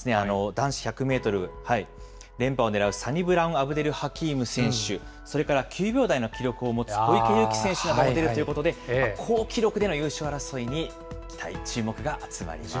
男子１００メートル、連覇を狙うサニブラウンアブデル・ハキーム選手、それから９秒台の記録を持つ小池祐貴選手なども出るということで、好記録での優勝争いに注目が集まります。